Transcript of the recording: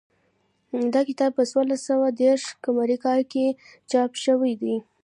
دا کتاب په څوارلس سوه دېرش قمري کال کې چاپ شوی دی